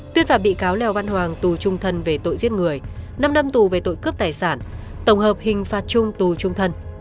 tuyên phạt bị cáo lèo văn hoàng tù trung thân về tội giết người năm năm tù về tội cướp tài sản tổng hợp hình phạt trung tù trung thân